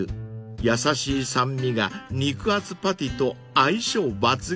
［優しい酸味が肉厚パティと相性抜群］